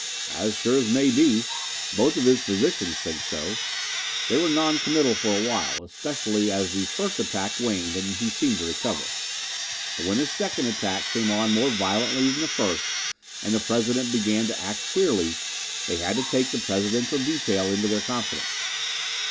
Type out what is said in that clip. "As sure as may be. Both of his physicians think so. They were non committal for a while, especially as the first attack waned and he seemed to recover, but when his second attack came on more violently than the first and the President began to act queerly, they had to take the Presidential detail into their confidence.